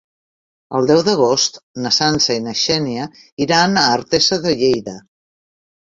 El deu d'agost na Sança i na Xènia iran a Artesa de Lleida.